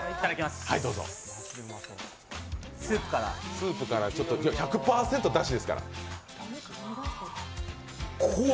スープから、１００％だしですから。